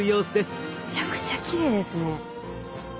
めちゃくちゃきれいですね。